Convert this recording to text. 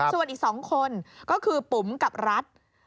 ส่วนอีก๒คนก็คือปุ๋มกับรัฐ